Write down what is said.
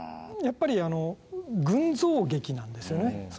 やっぱり群像劇なんですよね。